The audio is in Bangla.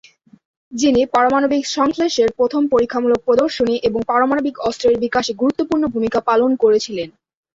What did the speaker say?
যিনি পারমাণবিক সংশ্লেষের প্রথম পরীক্ষামূলক প্রদর্শনী এবং পারমাণবিক অস্ত্রের বিকাশে গুরুত্বপূর্ণ ভূমিকা পালন করেছিলেন।